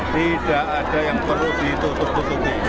tidak ada yang perlu ditutup tutupi